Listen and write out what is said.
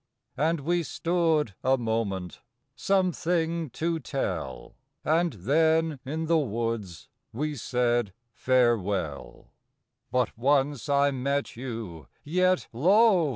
And we stood a moment some thing to tell, And then in the woods we said farewell. But once I met you; yet, lo!